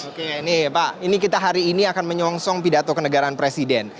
oke ini pak ini kita hari ini akan menyongsong pidato kenegaraan presiden